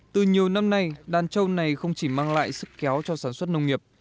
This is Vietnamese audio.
từ nhiều năm nay đàn trâu này không chỉ mang lại sức kéo cho sản xuất nông nghiệp